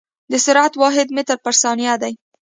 د سرعت واحد متر پر ثانیه دی.